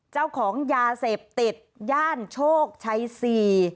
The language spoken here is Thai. เจ้าของยาเสพติดย่านโชคชัยสี่